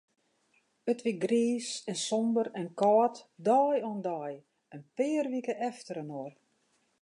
It wie griis en somber en kâld, dei oan dei, in pear wike efterinoar.